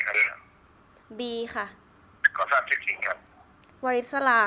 คุณพ่อได้จดหมายมาที่บ้าน